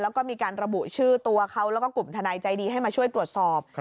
แล้วก็มีการระบุชื่อตัวเขาแล้วก็กลุ่มทนายใจดีให้มาช่วยตรวจสอบ